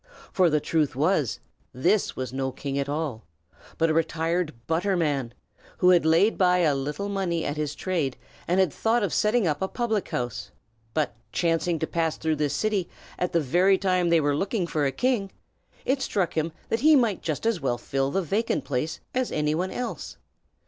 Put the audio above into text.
For the truth was, this was no king at all, but a retired butterman, who had laid by a little money at his trade, and had thought of setting up a public house; but chancing to pass through this city at the very time when they were looking for a king, it struck him that he might just as well fill the vacant place as any one else.